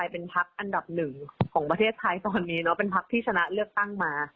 เป็นภักดิ์ที่ชนะเลือกตั้งมา